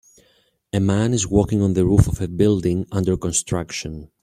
A man is walking on the roof of a building under construction.